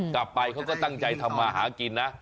กลับไปเขาก็ตั้งใจทำมาหากินนะ